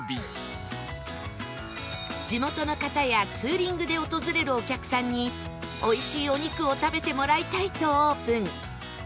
地元の方やツーリングで訪れるお客さんにおいしいお肉を食べてもらいたいとオープン